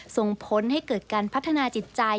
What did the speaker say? ส่งผลให้เกิดการพัฒนาจิตใจ